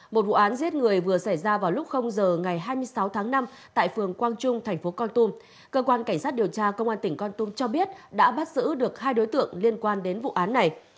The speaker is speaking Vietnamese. một vụ án giết người vừa xảy ra vào lúc giờ ngày hai mươi sáu tháng năm tại phường quang trung thành phố con tum cơ quan cảnh sát điều tra công an tỉnh con tum cho biết đã bắt giữ được hai đối tượng liên quan đến vụ án này